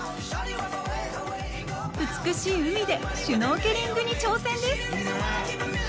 美しい海でシュノーケリングに挑戦です！